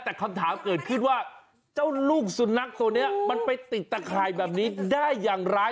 แต่คำถามเกิดขึ้นว่าเจ้าลูกสุนัขตัวนี้มันไปติดตะข่ายแบบนี้ได้อย่างไร